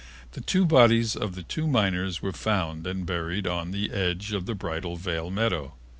The bodies of the two miners were found and buried on the edge of the Bridal Veil meadow.